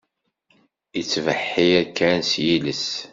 Ittbeḥḥiṛ kan s yiles.